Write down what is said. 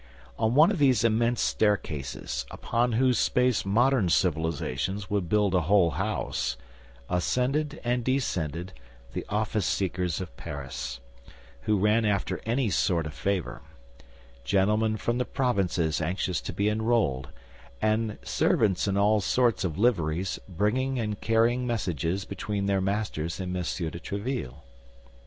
On one of those immense staircases, upon whose space modern civilization would build a whole house, ascended and descended the office seekers of Paris, who ran after any sort of favor—gentlemen from the provinces anxious to be enrolled, and servants in all sorts of liveries, bringing and carrying messages between their masters and M. de Tréville.